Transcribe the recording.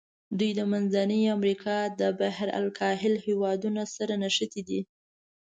دوی د منځني امریکا د بحر الکاهل هېوادونو سره نښتي دي.